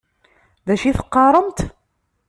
D acu i teqqaṛemt?